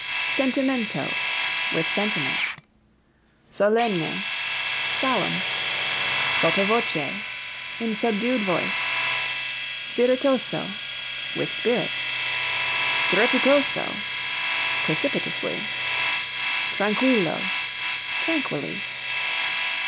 Sentimento with sentiment. Solenne solemn. Sotto voce in subdued voice. Spiritoso with spirit. Strepitoso precipitously. Tranquillo tranquilly.